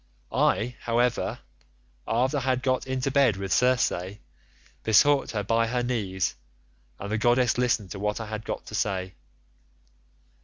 I, however, after I had got into bed with Circe, besought her by her knees, and the goddess listened to what I had got to say.